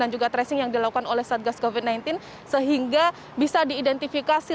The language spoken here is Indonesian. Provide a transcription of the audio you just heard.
dan juga tracing yang dilakukan oleh satgas covid sembilan belas sehingga bisa diidentifikasi